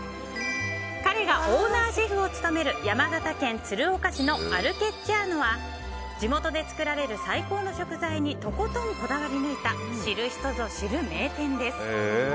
彼がオーナーシェフを務める山形県鶴岡市のアル・ケッチァーノは地元で作られる最高の食材にとことんこだわりぬいた知る人ぞ知る名店です。